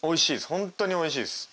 本当においしいです。